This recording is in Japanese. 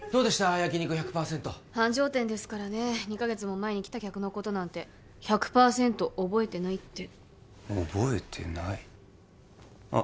焼肉１００％繁盛店ですからね２カ月も前に来た客のことなんて１００パーセント覚えてないって覚えてないあっ